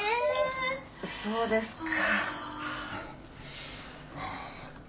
そうですか。